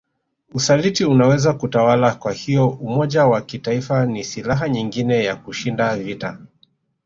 Usaliti unaweza kutawala kwahiyo umoja wa kitaifa ni silaha nyingine ya kushinda vita